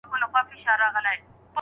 د انسان په وسع کې کوم شیان شامل نه دي؟